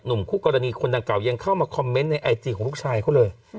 คู่กรณีคนดังเก่ายังเข้ามาคอมเมนต์ในไอจีของลูกชายเขาเลย